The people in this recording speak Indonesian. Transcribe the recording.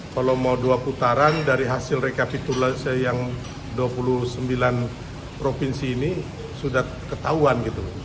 kalau mau dua putaran dari hasil rekapitulasi yang dua puluh sembilan provinsi ini sudah ketahuan gitu